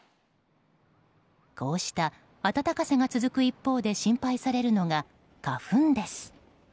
こうした暖かさが続く一方で心配されるのが、花粉です。